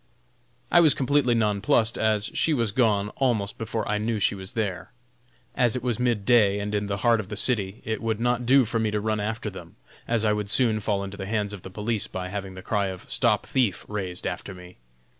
I was completely nonplussed, as she was gone almost before I knew she was there. As it was mid day and in the heart of the city, it would not do for me to run after them, as I would soon fall into the hands of the police by having the cry of stop thief raised after me.